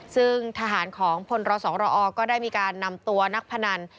ซึ่งทหารของพลสรอก็ได้มีการนำตัวนักพนัน